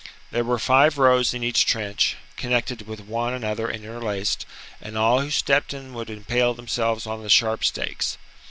There were five rows in each trench, connected with one another and interlaced ; and all who stepped in would impale themselves on the sharp stakes.